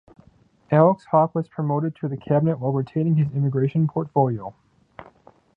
Alex Hawke was promoted to the cabinet while retaining his immigration portfolio.